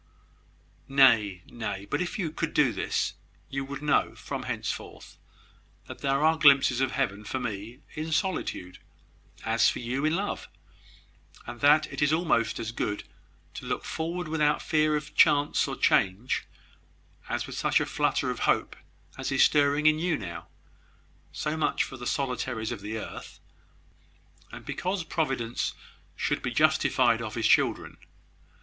"Nay, nay! but if you could do this, you would know, from henceforth, that there are glimpses of heaven for me in solitude, as for you in love; and that it is almost as good to look forward without fear of chance or change, as with such a flutter of hope as is stirring in you now. So much for the solitaries of the earth, and because Providence should be justified of his children.